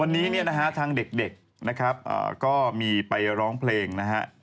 วันนี้เนี่ยนะฮะทางเด็กนะครับก็มีไปร้องเพลงนะฮะ